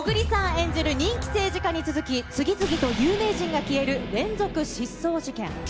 演じる人気政治家に続き、次々と有名人が消える連続失踪事件。